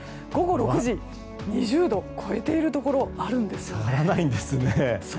午後６時、２０度を超えているところがあるんです。